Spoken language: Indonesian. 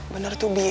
bener tuh bi